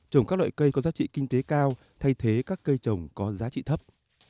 trồng các loại cây có giá trị kinh tế cao thay thế các cây trồng có giá trị thấp